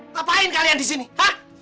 ngapain kalian di sini pak